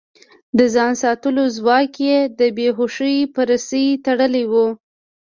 د ځان ساتلو ځواک يې د بې هوشۍ په رسۍ تړلی و.